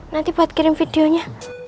nanti buat kirim videonya